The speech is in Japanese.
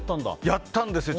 やったんですよ。